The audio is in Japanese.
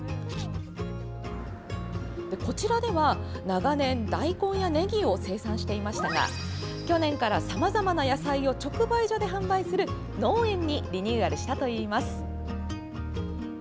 こちらでは長年、大根やねぎを生産していましたが去年から、さまざまな野菜を直売所で販売する農園にリニューアルしたといいます。